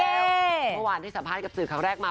เมื่อวานที่สัมภาษณ์กับสื่อครั้งแรกมา